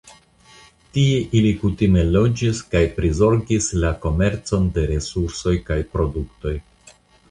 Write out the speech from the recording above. Tie ili kutime loĝis kaj prizorgis la komercon de resursoj kaj produktoj.